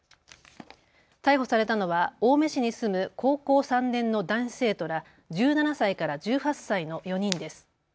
逮捕されたのは青梅市に住む高校３年の男子生徒ら１７歳から１８歳の４人です。